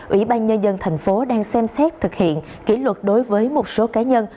ủy ban nhân dân thành phố đang xem xét thực hiện kỷ luật đối với một số cá nhân